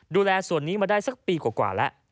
ดูแลส่วนนี้มาได้สักปีกว่าแล้ว